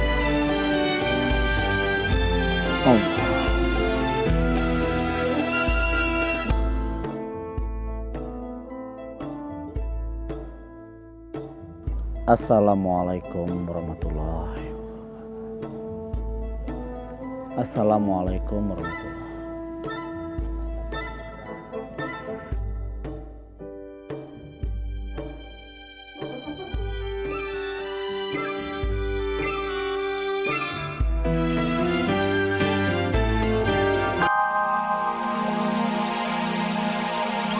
assalamualaikum warahmatullahi wabarakatuh